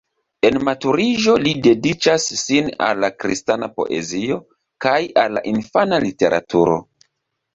En maturiĝo li dediĉas sin al la kristana poezio kaj al la infana literaturo.